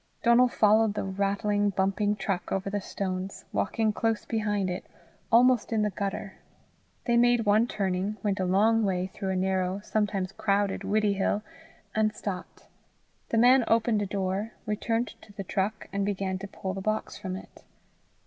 Donal followed the rattling, bumping truck over the stones, walking close behind it, almost in the gutter. They made one turning, went a long way through the narrow, sometimes crowded, Widdiehill, and stopped. The man opened a door, returned to the truck, and began to pull the box from it.